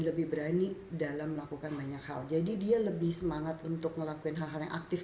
lebih berani dalam melakukan banyak hal jadi dia lebih semangat untuk ngelakuin hal hal yang aktif